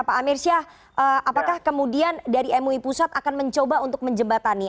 pak amir syah apakah kemudian dari mui pusat akan mencoba untuk menjembatani